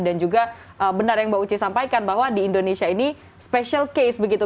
dan juga benar yang mbak uci sampaikan bahwa di indonesia ini special case begitu